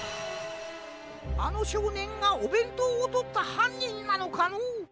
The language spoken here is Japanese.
あのしょうねんがおべんとうをとったはんにんなのかのう？